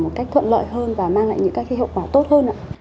một cách thuận lợi hơn và mang lại những cái hiệu quả tốt hơn